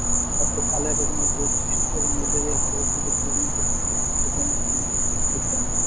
অর্থাৎ আলেয়া বেগমের রোগ সৃষ্টিকারী ম্যালেরিয়ার পরজীবীর জীবনচক্রে সুস্পষ্ট জনুক্রম বিদ্যমান।